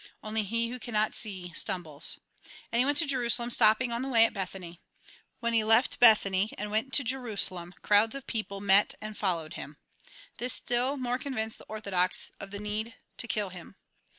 Only he who cannot see, stumbles.'' And he went to Jerusalem stopping on the way at Bethany. When he left Bethany, and went to Jerusalem, crowds of people met and followed him. This still more convinced the orthodox of the need to kill him.